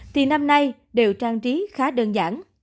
thì năm nay đều trang trí khá đơn giản